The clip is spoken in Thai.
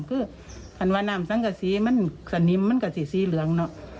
คืออันวันน้ำซังกับสีมันสันนิมมันกับสีเหลืองเนาะ